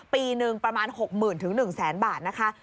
ปีหนึ่งประมาณ๖๐๐๐๑๐๐๐บาทนะคะ